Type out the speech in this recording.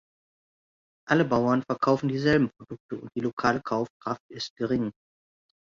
Alle Bauern verkaufen dieselben Produkte und die lokale Kaufkraft ist gering.